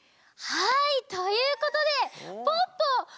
はいということでポッポふせいかい！